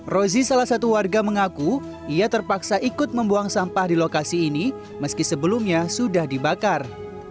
rozi salah satu warga mengaku ia terpaksa ikut membuang sampah di lokasi ini meski sebelumnya sudah dibakar